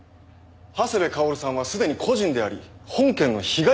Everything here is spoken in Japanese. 長谷部薫さんはすでに故人であり本件の被害者です。